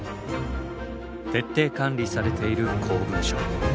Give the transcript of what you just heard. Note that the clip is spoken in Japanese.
徹底管理されている公文書。